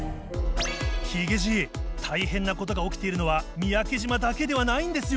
ヒゲじい大変なことが起きているのは三宅島だけではないんですよ。